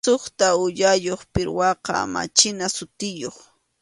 Suqta uyayuq pirwaqa machina sutiyuq.